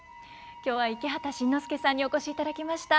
今日は池畑慎之介さんにお越しいただきました。